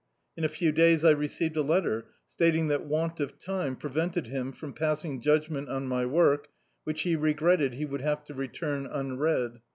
In a few days I received a letter statii^ that want of time prevented him from passing judgment on my work, which he re gretted he would have to return unread.